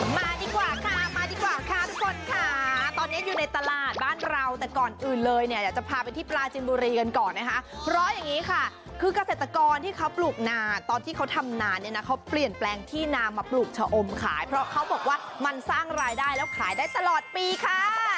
มาดีกว่าค่ะมาดีกว่าค่ะทุกคนค่ะตอนนี้อยู่ในตลาดบ้านเราแต่ก่อนอื่นเลยเนี่ยอยากจะพาไปที่ปลาจินบุรีกันก่อนนะคะเพราะอย่างนี้ค่ะคือเกษตรกรที่เขาปลูกนาตอนที่เขาทำนานเนี่ยนะเขาเปลี่ยนแปลงที่นามาปลูกชะอมขายเพราะเขาบอกว่ามันสร้างรายได้แล้วขายได้ตลอดปีค่ะ